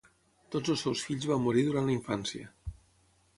Tots els seus fills van morir durant la infància.